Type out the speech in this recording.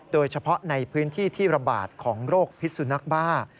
โดยเฉพาะในพื้นที่ที่ระบาดของโรคพิษสุนักบ้า